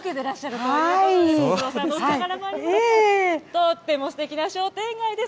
とってもすてきな商店街です。